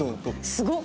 すごっ！